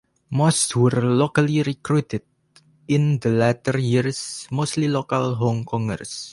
Most were locally recruited, in the latter years mostly local Hong Kongers.